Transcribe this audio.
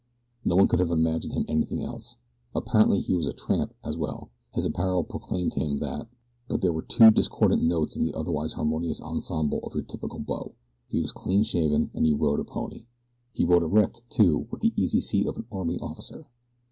No one could have imagined him anything else. Apparently he was a tramp as well his apparel proclaimed him that; but there were two discordant notes in the otherwise harmonious ensemble of your typical bo. He was clean shaven and he rode a pony. He rode erect, too, with the easy seat of an army officer.